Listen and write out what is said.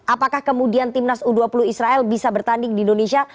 apakah kemudian timnas u dua puluh israel bisa bertanding di indonesia